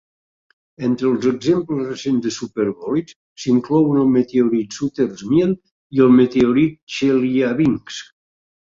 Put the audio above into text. Entre els exemples recents de superbolids s'inclouen el meteorit Sutter's Mill i el meteorit Chelyabinsk.